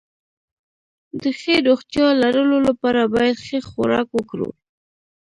د ښې روغتيا لرلو لپاره بايد ښه خوراک وکړو